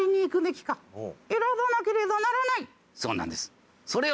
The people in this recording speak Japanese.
そうなんです。